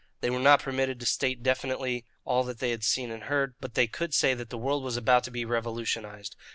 They were not permitted to state definitely all that they had seen and heard, but they could say that the world was about to be revolutionized.